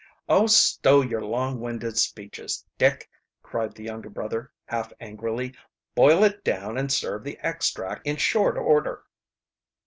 "Oh, stow your long winded speeches, Dick," cried the younger brother half angrily. "Boil it down and serve the extract in short order."